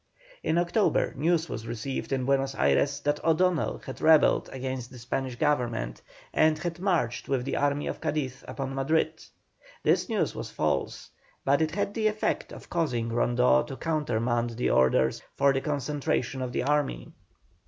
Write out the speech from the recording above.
In October news was received in Buenos Ayres that O'Donnell had rebelled against the Spanish Government, and had marched with the army of Cadiz upon Madrid. This news was false, but it had the effect of causing Rondeau to countermand the orders for the concentration of the army.